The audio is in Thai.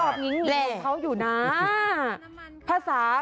ตอบหญิงฐานเขาอยู่นะ